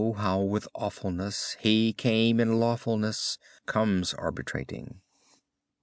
how with, awfulness, He, first in lawfulness, Comes arbitrating."